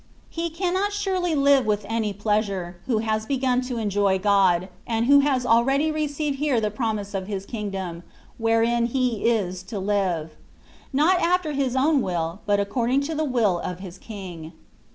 He cannot surely live with any pleasure, who has begun to enjoy God, and who has already received here the promise of His kingdom, wherein he is to live — not after his own will, but according to the will of his King.